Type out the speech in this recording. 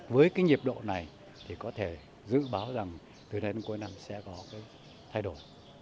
với cái nhiệt độ này thì có thể dự báo rằng từ nay đến cuối năm sẽ có cái thay đổi